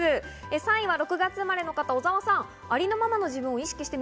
３位は６月生まれの方、小澤さんです。